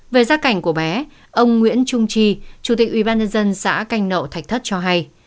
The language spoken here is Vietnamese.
về gia cảnh của bé ông nguyễn trung chi chủ tịch ubnd xã canh nậu thạch thất cho hay